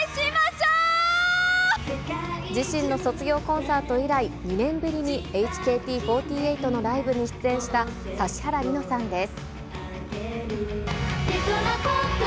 自身の卒業コンサート以来、２年ぶりにＨＫＴ４８のライブに出演した指原莉乃さんです。